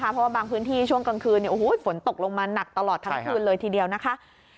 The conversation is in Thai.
เพราะว่าบางพื้นที่ช่วงกลางคืนฝนตกลงมาหนักตลอดทั้งคืนเลยทีเดียวนะคะ